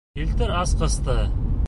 Килтер асҡысты.